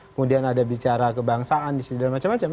kemudian ada bicara kebangsaan di situ dan macam macam